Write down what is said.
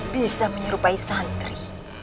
bisa menyerupai santri